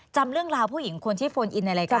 จำเรื่องราวผู้หญิงคนที่โฟนอินในรายการ